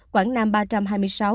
quảng nam ba trăm hai mươi sáu